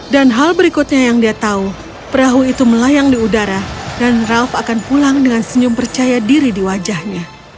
dan hal berikutnya yang dia tahu perahu itu melayang di udara dan ralph akan pulang dengan senyum percaya diri di wajahnya